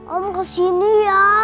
om kesini ya